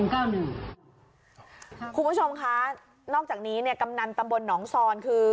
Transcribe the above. คุณผู้ชมคะนอกจากนี้เนี่ยกำนันตำบลหนองซอนคือ